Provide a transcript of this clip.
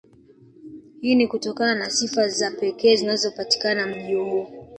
Hii ni kutokana na sifa za pekee zinazopatikana mji huu